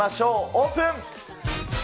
オープン。